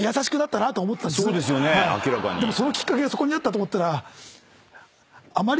でもそのきっかけがそこにあったと思ったら。